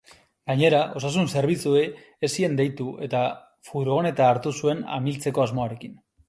Gainera, osasun zerbitzuei ez zien deitu eta fuirgoneta hartu zuen amiltzeko asmoarekin.